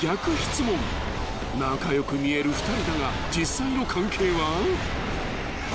［仲良く見える２人だが実際の関係は？］